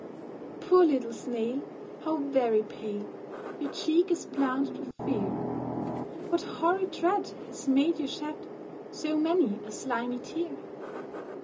POOR little Snail, How very pale, Your cheek is blanched with fear! What horrid dread Has made you shed So many a slimy tear?